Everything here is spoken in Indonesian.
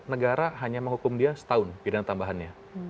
negara hanya menghukum dia setahun pidana tambahannya